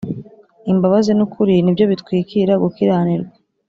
imbabazi n’ukuri ni byo bitwikīra gukiranirwa,